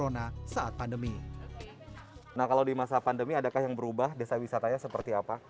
nah kalau di masa pandemi adakah yang berubah desa wisatanya seperti apa